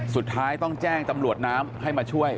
สุดท้ายต้องแจ้งตำรวจน้ำให้มาช่วย